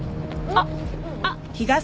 あっ。